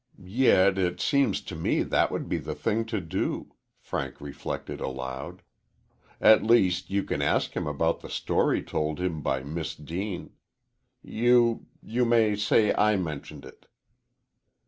"Yet it seems to me that would be the thing to do," Frank reflected aloud. "At least, you can ask him about the story told him by Miss Deane. You you may say I mentioned it."